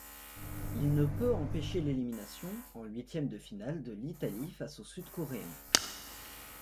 Il ne peut empêcher l'élimination en huitièmes de finale de l'Italie face aux Sud-Coréens.